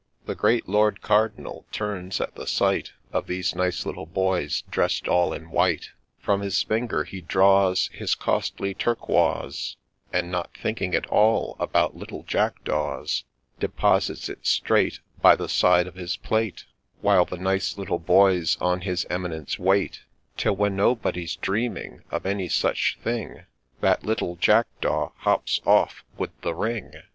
The great Lord Cardinal turns at the sight Of these nice little boys dress'd all in white : From his finger he draws His costly turquoise ; And, not thinking at all about little Jackdaws, Deposits it straight By the side of his plate, While the nice little boys on his Eminence wait ; Till, when nobody 's dreaming of any such thing, That little Jackdaw hops off with the ring